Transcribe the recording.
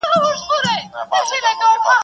انسان ته خبره، خره ته لرگى.